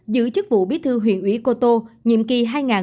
giữ chức vụ bí thư huyện ủy cô tô nhiệm kỳ hai nghìn hai mươi hai nghìn hai mươi năm